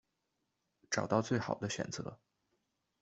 找到最好的选择